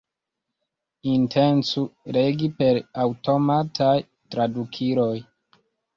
Intencu legi per aŭtomataj tradukiloj.